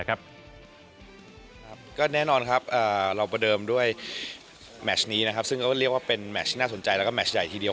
ก็แน่นอนครับเราประเดิมด้วยแมชนี้นะครับซึ่งก็เรียกว่าเป็นแมชที่น่าสนใจแล้วก็แมชใหญ่ทีเดียว